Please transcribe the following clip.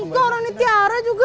enggak orang ini tiara juga